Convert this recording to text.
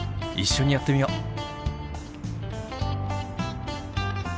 一緒にやってみよう。